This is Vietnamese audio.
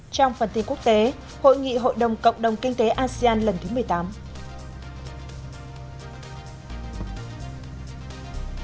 trong phần tin quốc tế hội nghị hội đồng cộng đồng kinh tế asean lần thứ một mươi tám